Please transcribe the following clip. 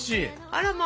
あらま。